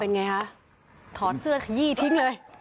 เป็นยังไงฮะถอดเสื้อยี่ทิ้งเลย